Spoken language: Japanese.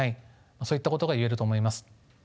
そういったことが言えると思います。